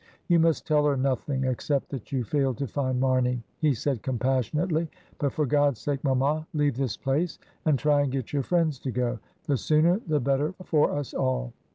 "You must tell her nothing, except that you failed to find Marney," he said compassionately, "but for God's sake, mamma, leave this place and try and get your friends to go. The sooner the better for us all.